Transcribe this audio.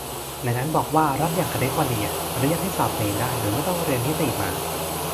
ในนั้นบอกว่ารัฐอย่างแคลิฟอร์เนียอนุญาตให้สอบเนได้โดยไม่ต้องเรียนนิติมา